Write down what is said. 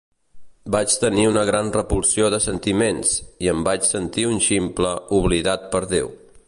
Vaig tenir una gran repulsió de sentiments, i em vaig sentir un ximple oblidat per Déu.